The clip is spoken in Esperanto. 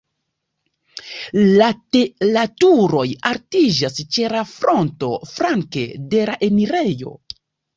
La turoj altiĝas ĉe la fronto flanke de la enirejo.